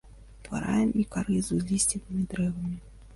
Утварае мікарызу з лісцевымі дрэвамі.